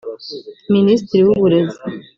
Minisitiri w’Uburezi